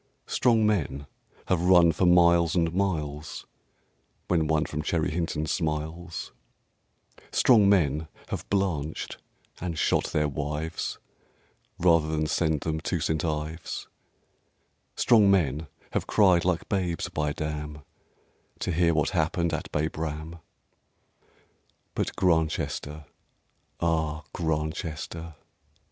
Strong men have run for miles and miles, When one from Cherry Hinton smiles; Strong men have blanched, and shot their wives, Rather than send them to St. Ives; Strong men have cried like babes, bydam, To hear what happened at Babraham. But Grantchester! ah, Grantchester!